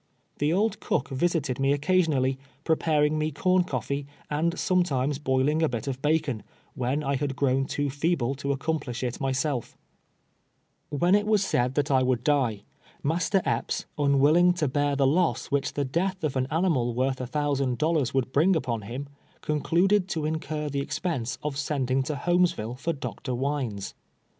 The old cook visited me occasionally, preparing me corn coffee, and sometimes boiling a bit of bacon, when I had grown too feeble to accomplish it m^^self When it was said that I would die, Master Epps, unwilling to bear the loss, which the death of an ani mal worth a thousand dollars would bring upon him, concluded to incur the expense of sending to Holmes ville for Dr. Wines.